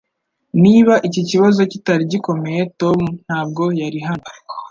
Niba iki kibazo kitari gikomeye Tom ntabwo yari hano